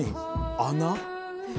穴？